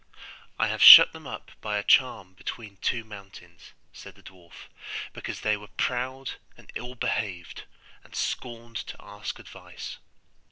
'I have shut them up by a charm between two mountains,' said the dwarf, 'because they were proud and ill behaved, and scorned to ask advice.